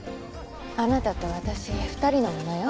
あなたと私２人のものよ。